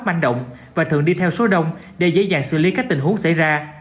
manh động và thường đi theo số đông để dễ dàng xử lý các tình huống xảy ra